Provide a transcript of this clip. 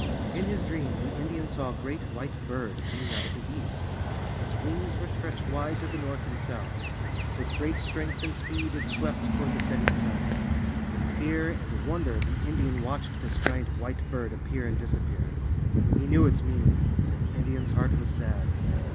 In his dream the Indian saw a great White Bird coming out of the east. Its wings were stretched wide to the north and south. With great strength and speed, it swept toward the setting sun. In fear and wonder the Indian watched this giant White Bird appear and disappear. He knew its meaning, and the Indian's heart was sad.